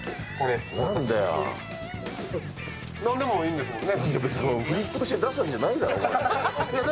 何でもいいですもんね。